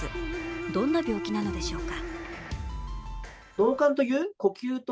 どんな病気なのでしょうか。